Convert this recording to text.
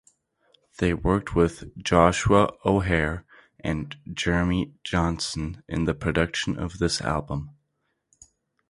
They worked with Joshua O’Haire and Jeremy Johnson in the production of this album.